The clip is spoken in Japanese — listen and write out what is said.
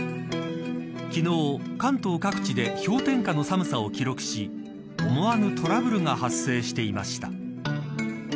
昨日、関東各地で氷点下の寒さを記録し思わぬトラブルが発生していました。